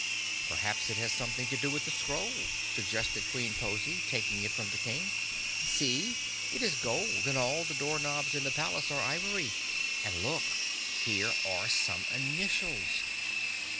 "Perhaps it has something to do with the scroll," suggested Queen Pozy, taking it from the King. "See! It is gold and all the door knobs in the palace are ivory. And look! Here are some initials!"